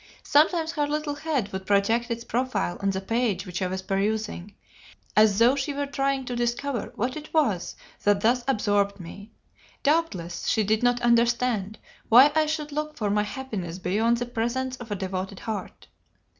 Sometimes her little head would project its profile on the page which I was perusing, as though she were trying to discover what it was that thus absorbed me: doubtless, she did not understand why I should look for my happiness beyond the presence of a devoted heart.